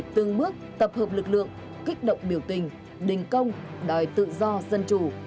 tập hợp lực lượng kích động biểu tình đình công đòi tự do dân chủ